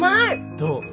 どう？